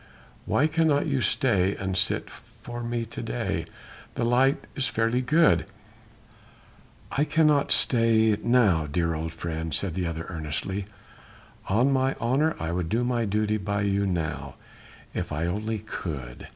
"Why cannot you stay and sit for me to day.... The light is fairly good...." "I cannot stay now, dear old friend," said the other earnestly, "on my honour I would do my duty by you now if I only could.